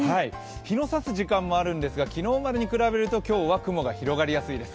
日のさす時間もあるんですが昨日までに比べると今日は雲が広がりやすいです。